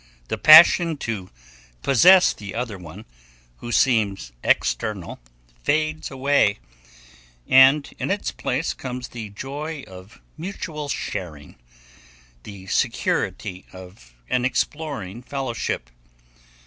The passion to possess the other one, who seems external, fades away, and in its place comes the joy of mutual sharing, the security of an exploring fellowship.